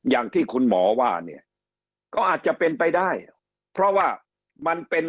อย่างที่คุณหมอว่าเนี่ยก็อาจจะเป็นไปได้เพราะว่ามันเป็น